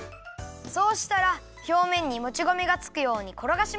そうしたらひょうめんにもち米がつくようにころがします！